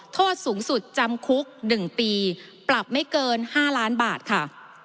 โทษสูงสุดจำคุก๑ปีปรับไม่เกิน๕ล้านบาทค่ะ